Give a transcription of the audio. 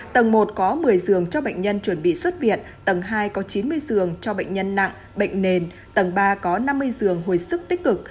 tầng một có một mươi giường cho bệnh nhân chuẩn bị xuất viện tầng hai có chín mươi giường cho bệnh nhân nặng bệnh nền tầng ba có năm mươi giường hồi sức tích cực